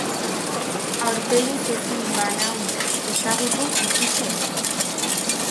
Aurpegiz ezin banaun ezagutu, ikusi hemen.